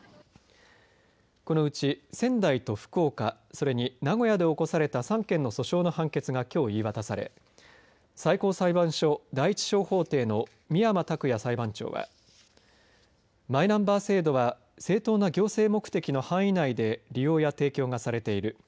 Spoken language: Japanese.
このうち仙台と福岡それに名古屋で起こされた３件の訴訟の判決がきょう言い渡され、最高裁判所第１小法廷の深山卓也裁判長はマイナンバー制度は正当な行政目的の範囲内で利用や提供がされている。